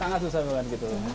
sangat susah banget gitu